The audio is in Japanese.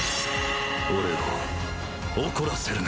俺を怒らせるな。